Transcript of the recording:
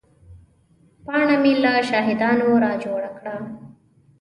پاڼه مې له شاهدانو را جوړه کړه.